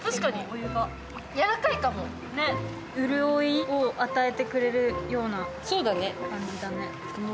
潤いを与えてくれるような感じだね。